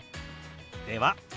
では。